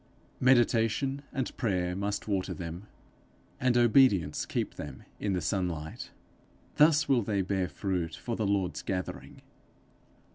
Meditation and prayer must water them, and obedience keep them in the sunlight. Thus will they bear fruit for the Lord's gathering.